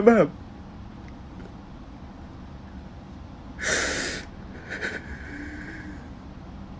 สุขภาพจิตอดเสียไปเลยนะครับทุกคนรู้สึกแย่มากมากมากมาก